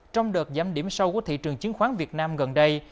trong đợt giảm điểm sâu của thị trường chứng khoán việt nam gần đây